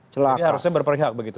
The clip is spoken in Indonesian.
jadi harusnya berperihak begitu